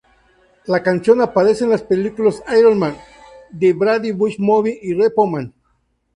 La canción aparece en las películas: "Iron Man", "The Brady Bunch Movie", "Repo Man".